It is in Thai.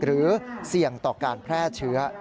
หรือเสี่ยงต่อการแพร่เชื้อ